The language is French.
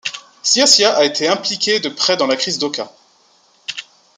Ciaccia a été impliqué de près dans la crise d'Oka.